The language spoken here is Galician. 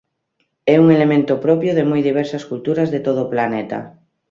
É un elemento propio de moi diversas culturas de todo o planeta.